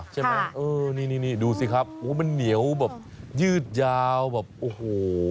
ใช่ไหมนี่ดูสิครับมันเหนียวแบบยืดยาวแบบโอ้โห